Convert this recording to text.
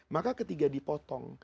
maka ketika dipotong